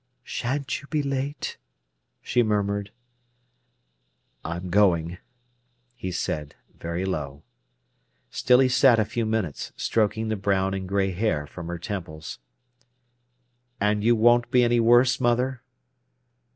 "Shan't you be late?" she murmured. "I'm going," he said, very low. Still he sat a few minutes, stroking the brown and grey hair from her temples. "And you won't be any worse, mother?"